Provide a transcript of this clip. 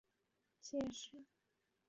我觉得很不错的解释